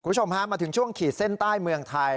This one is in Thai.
คุณผู้ชมฮะมาถึงช่วงขีดเส้นใต้เมืองไทย